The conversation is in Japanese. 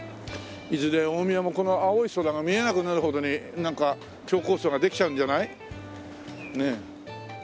いずれ大宮もこの青い空が見えなくなるほどになんか超高層ができちゃうんじゃない？ねえ。